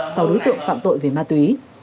sau đối tượng phạm tội về ma túy